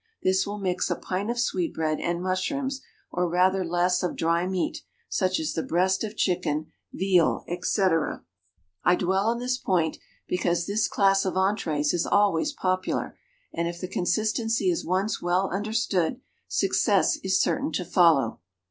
This will mix a pint of sweetbread and mushrooms, or rather less of dry meat, such as the breast of chicken, veal, etc. I dwell on this point because this class of entrées is always popular, and if the consistency is once well understood, success is certain to follow.